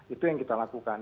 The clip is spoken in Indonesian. itu yang kita lakukan